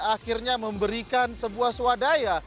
akhirnya memberikan sebuah swadaya